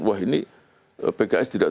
wah ini pks tidak